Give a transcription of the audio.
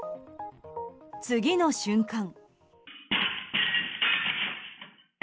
次の瞬間。